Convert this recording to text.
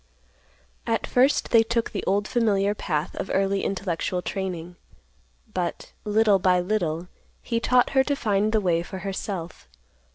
At first they took the old familiar path of early intellectual training, but, little by little, he taught her to find the way for herself.